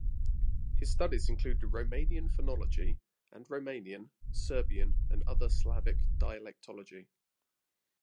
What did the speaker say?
His studies included Romanian phonology, and Romanian, Serbian, and other Slavic dialectology.